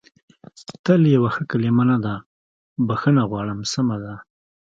تل یوه ښه کلمه نه ده، بخښنه غواړم، سمه ده.